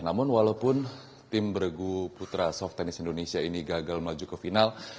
dan walaupun tim beregu putra soft tennis indonesia ini gagal melaju ke final